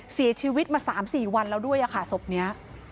เสียชีวิตมา๓๔วันแล้วด้วยค่ะศพนี้